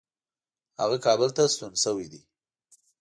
هغه کابل ته ستون شوی دی.